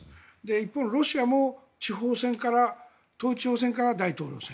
一方のロシアも統一地方選から大統領選